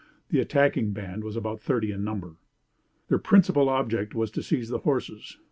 The attacking band was about thirty in number. Their principal object was to seize the horses.